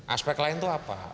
aspek lain itu apa